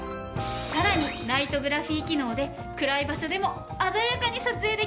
さらにナイトグラフィー機能で暗い場所でも鮮やかに撮影できるの。